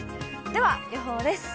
では、予報です。